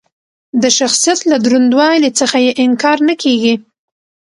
د شخصیت له دروندوالي څخه یې انکار نه کېږي.